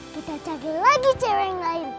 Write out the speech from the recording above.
kita cari lagi cewek yang lain